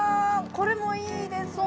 これもいいですね